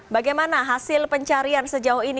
bagaimana hasil pencarian sejauh ini